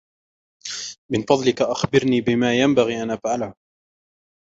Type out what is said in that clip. من فضلك ، أخبرني بما ينبغي أن أفعله.